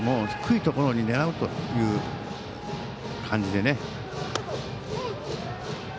低いところに狙うという感じでね。